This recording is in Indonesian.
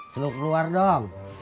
selalu keluar dong